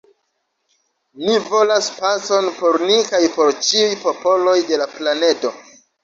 Ni volas pacon por ni kaj por ĉiuj popoloj de la planedo.